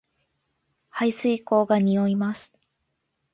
排水溝が臭います